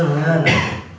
sau giờ em rừng ra